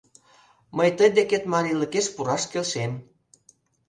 Мый тый декет марийлыкеш пураш келшем.